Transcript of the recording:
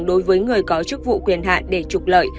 cho những người có chức vụ quyền hạn để trục lợi